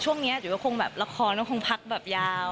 ช่วงนี้จุ๋ยก็คงแบบละครก็คงพักแบบยาว